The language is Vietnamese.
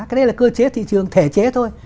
cái đây là cơ chế thị trường thể chế thôi